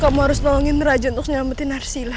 kamu harus tolongin raja untuk nyelametin arsyla